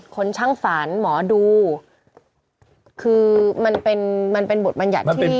คนช่างฝันหมอดูคือมันเป็นมันเป็นบทบัญญัติที่